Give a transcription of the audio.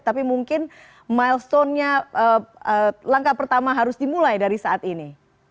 tapi mungkin milestone nya langkah pertama harus dimulai dari saat ini